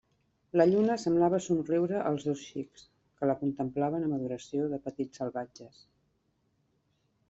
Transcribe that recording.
La lluna semblava somriure als dos xics, que la contemplaven amb adoració de petits salvatges.